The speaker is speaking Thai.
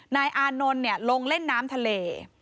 นายอานนท์ลงเล่นน้ำทะเล